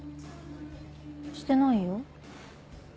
してないよ。